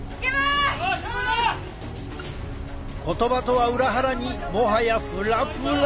言葉とは裏腹にもはやフラフラ！